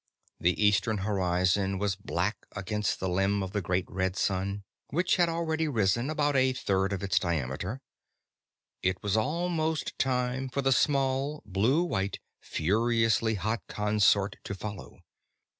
The eastern horizon was black against the limb of the great red sun, which had already risen about a third of its diameter; it was almost time for the small, blue white, furiously hot consort to follow.